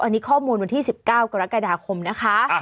อันนี้ข้อมูลวันที่๑๙กรกฎาคมนะคะ